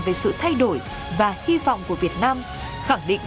về sự thay đổi và hy vọng của việt nam khẳng định